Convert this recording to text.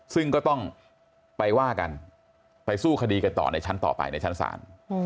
ซึ่งก็ต้องไปว่ากันไปสู้คดีกันต่อในชั้นต่อไปในชั้นศาล